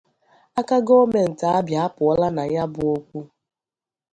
aka gọọmentị Abia apụọla na ya bụ okwu.”